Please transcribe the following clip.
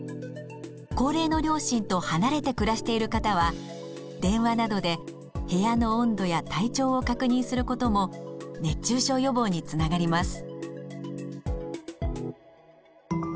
高齢の両親と離れて暮らしている方は電話などで部屋の温度や体調を確認することも熱中症予防につながります。